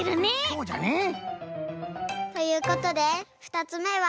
そうじゃね。ということで２つめは。